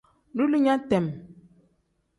Duulinya tem.